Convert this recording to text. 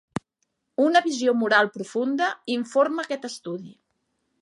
Una visió moral profunda informa aquest estudi.